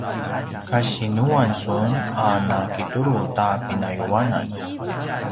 kasinuan sun a na kitulu ta pinayuanan?